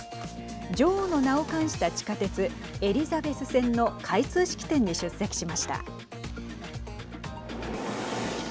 女王の名を冠した地下鉄エリザベス線の開通式典に出席しました。